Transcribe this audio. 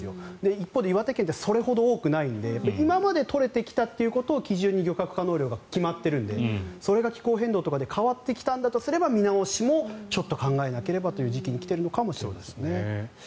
一方で岩手県ってそれほど多くないので今まで取れてきたということを基準に漁獲可能量が決まっているのでそれが気候変動とかで変わってきたんだとすれば見直しもちょっと考えなければという時期に来てるのかもしれないですね。